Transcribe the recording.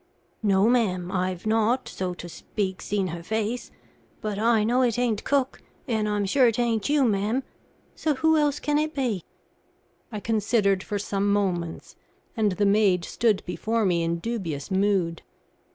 "No, ma'am, I've not, so to speak, seen her face; but I know it ain't cook, and I'm sure it ain't you, ma'am; so who else can it be?" I considered for some moments, and the maid stood before me in dubious mood.